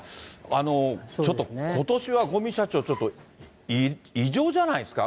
ちょっとことしは五味社長、ちょっと異常じゃないですか？